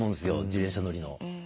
自転車乗りの。